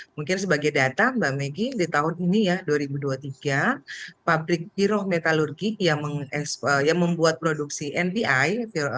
mungkin sebagai data mbak megi di tahun ini ya dua ribu dua puluh tiga pabrik herometalurgi yang membuat produksi npi